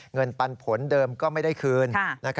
ปันผลเดิมก็ไม่ได้คืน